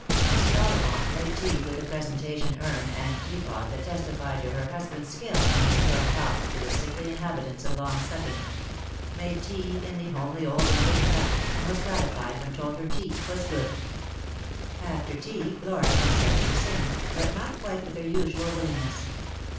Mrs. Ollivant made tea with the presentation urn and teapot that testified to her husband's skill in restoring health to the sickly inhabitants of Long Sutton, — made tea in the homely old English fashion, and was gratified when told her tea was good. After tea Flora consented to sing, but not quite with her usual willingness.